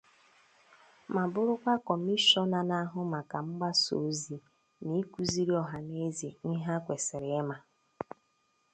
ma bụrụkwa Kọmishọna na-ahụ maka mgbasaozi na ịkụziri ọhaneze ihe ha kwesiri ịma